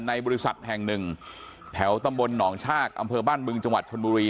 บริษัทแห่งหนึ่งแถวตำบลหนองชากอำเภอบ้านบึงจังหวัดชนบุรี